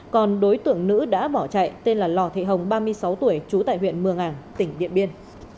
còn đối tượng nữ đã bỏ chạy tên là lò thị hồng ba mươi sáu tuổi trú tại huyện mường ảng tỉnh điện biên